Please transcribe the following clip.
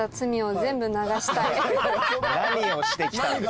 何をしてきたんですか。